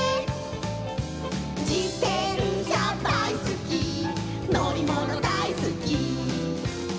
「じてんしゃだいすきのりものだいすき」